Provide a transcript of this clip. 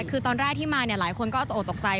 คือตอนแรกที่มาเนี่ยหลายคนก็ตกตกใจ